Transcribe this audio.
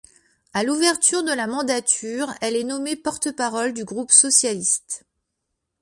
À l'ouverture de la mandature, elle est nommée porte-parole du groupe socialiste.